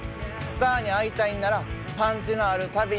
スターに会いたいんならパンチのある旅に出ようや。